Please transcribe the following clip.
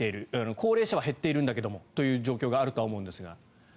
高齢者は減っているんだけどもという状況があると思うんですが。